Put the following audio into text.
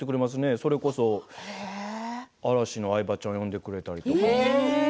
それこそ嵐の相葉ちゃん呼んでくれたりとか。